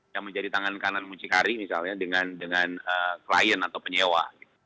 yang menjadi tangan kanan mucikari misalnya dengan klien atau penyewa